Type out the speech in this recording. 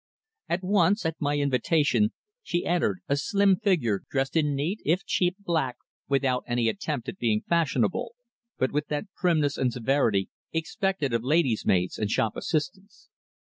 At once, at my invitation, she entered, a slim figure dressed in neat, if cheap, black, without any attempt at being fashionable, but with that primness and severity expected of lady's maids and shop assistants.